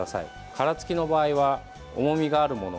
殻つきの場合は重みがあるもの